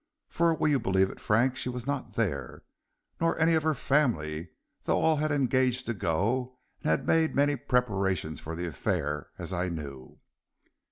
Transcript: For will you believe it, Frank, she was not there, nor any of her family, though all had engaged to go, and had made many preparations for the affair, as I knew."